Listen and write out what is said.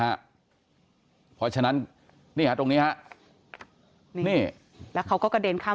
เพราะฉะนั้นนี่ฮะตรงนี้ฮะนี่แล้วเขาก็กระเด็นข้าม